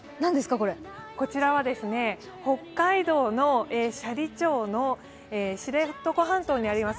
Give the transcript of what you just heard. こちらは北海道の斜里町の知床半島にあります